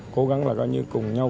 cố gắng là gọi như cùng nhau